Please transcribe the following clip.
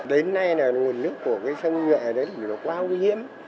đến nay nguồn nước của sông nhuệ quá nguy hiểm